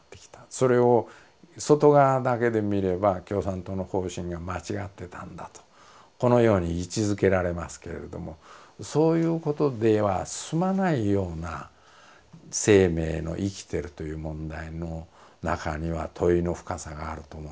それを外側だけで見れば共産党の方針が間違ってたんだとこのように位置づけられますけれどもそういうことでは済まないような生命の生きてるという問題の中には問いの深さがあると思うんですよ。